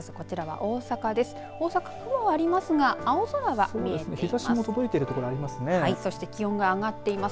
大阪、雲はありますが青空が見えています。